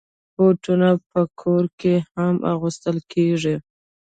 بوټونه په کور کې هم اغوستل کېږي.